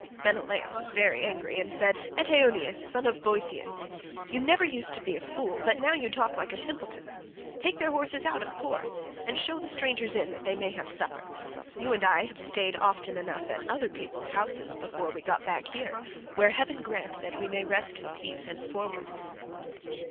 Menelaus was very angry and said, "Eteoneus, son of Boethous, you never used to be a fool, but now you talk like a simpleton. Take their horses out, of course, and show the strangers in that they may have supper; you and I have staid often enough at other people's houses before we got back here, where heaven grant that we may rest in peace henceforward."